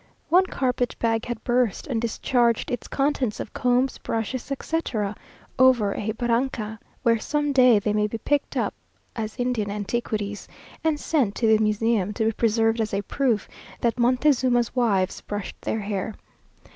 One carpet bag had burst and discharged its contents of combs, brushes, etc., over a barranca, where some day they may be picked up as Indian antiquities, and sent to the Museum, to be preserved as a proof that Montezuma's wives brushed their hair.